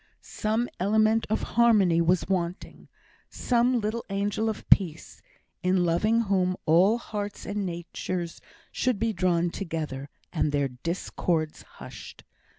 Some element of harmony was wanting some little angel of peace, in loving whom all hearts and natures should be drawn together, and their discords hushed.